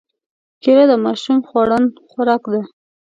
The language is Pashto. کېله د ماشوم خوړن خوراک دی.